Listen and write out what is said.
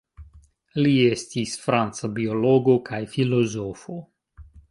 Li estis franca biologo kaj filozofo.